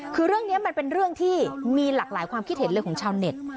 คือเรื่องนี้มันเป็นเรื่องที่มีหลากหลายความคิดเห็นเลยของชาวเน็ต